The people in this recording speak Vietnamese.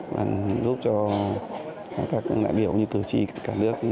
và giúp cho các đại biểu như cử tri cả nước